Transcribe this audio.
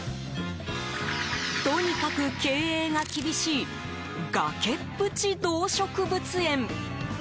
とにかく経営が厳しい崖っぷち動植物園。